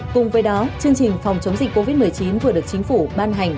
cùng với đó chương trình phòng chống dịch covid một mươi chín vừa được chính phủ ban hành